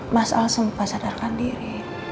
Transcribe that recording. mas al sempat sadarkan diri